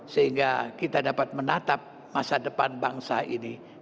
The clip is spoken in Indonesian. sehingga kita dapat menatap masa depan bangsa ini